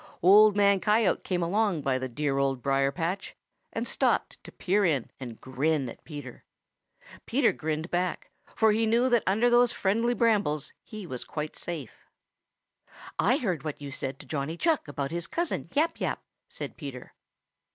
Old Man Coyote came along by the dear Old Briar patch and stopped to peer in and grin at Peter. Peter grinned back, for he knew that under those friendly brambles he was quite safe. "I heard what you said to Johnny Chuck about his cousin, Yap Yap," said Peter.